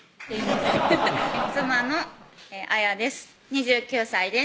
妻の彩です